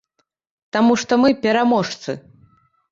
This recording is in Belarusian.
Таму што мы пераможцы.